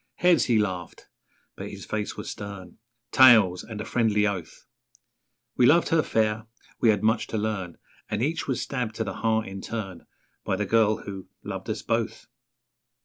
'Heads!' he laughed (but his face was stern) 'Tails!' and a friendly oath; We loved her fair, we had much to learn And each was stabbed to the heart in turn By the girl who loved us both.